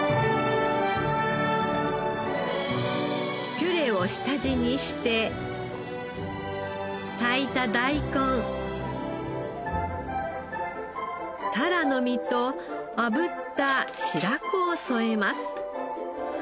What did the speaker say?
ピュレを下地にして炊いた大根タラの身とあぶった白子を添えます。